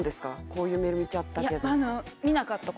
「こういうメール見ちゃったけど」